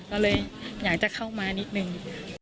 ก็เลยอยากจะเข้ามานิดนึง